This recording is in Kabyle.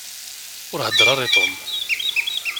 Ur heddeṛ ara i Tom.